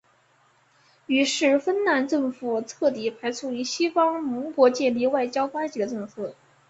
于是芬兰政府彻底排除与西方盟国建立外交关系的政策。